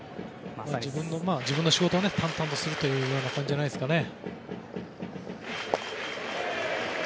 自分の仕事を淡々とするという感じじゃないですかね。